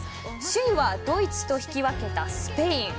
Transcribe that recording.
首位はドイツと引き分けたスペイン。